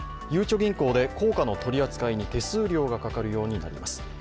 ゆうちょ銀行で硬貨の取り扱いに手数料がかかるようになります。